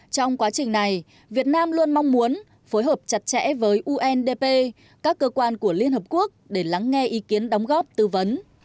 trong quá trình này việt nam luôn mong muốn phối hợp chặt chẽ với undp các cơ quan của liên hợp quốc để lắng nghe ý kiến đóng góp tư vấn